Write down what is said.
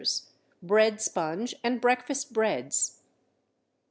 2 BREAD SPONGE AND BREAKFAST BREADS.